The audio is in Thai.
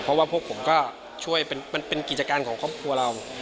เพราะว่าพวกผมก็ช่วยมันเป็นกิจการของครอบครัวเรา